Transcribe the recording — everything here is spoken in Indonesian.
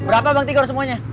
berapa bang tiga orang semuanya